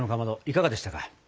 いかがでしたか？